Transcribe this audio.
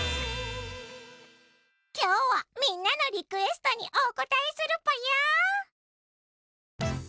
今日はみんなのリクエストにお応えするぽよ！